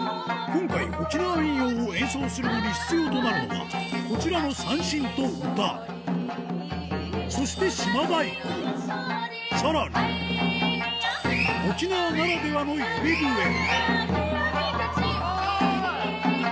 今回沖縄民謡を演奏するのに必要となるのはこちらのそして島太鼓さらに沖縄ならではの指笛スゴい！